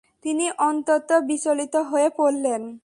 তিনি অত্যন্ত বিচলিত হয়ে পড়লেন।